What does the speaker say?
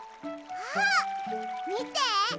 あっみて！